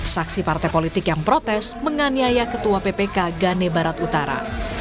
saksi partai politik yang protes menganiaya ketua ppk gane barat utara